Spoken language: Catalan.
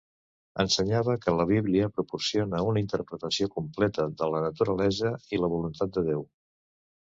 Ensenyava que la Bíblia proporciona una interpretació completa de la naturalesa i la voluntat de Déu.